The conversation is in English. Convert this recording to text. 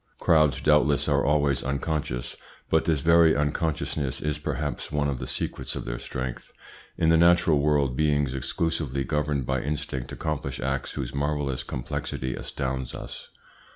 Crowds, doubtless, are always unconscious, but this very unconsciousness is perhaps one of the secrets of their strength. In the natural world beings exclusively governed by instinct accomplish acts whose marvellous complexity astounds us.